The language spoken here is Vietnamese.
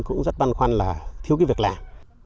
cũng rất băn khoăn là thiếu cái việc làm